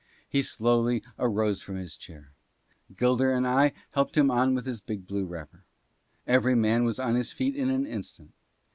He slowly arose from his chair; Gilder and I helped him on with his big blue wrapper. Every man was on his feet in an instant.